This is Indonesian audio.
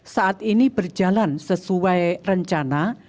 saat ini berjalan sesuai rencana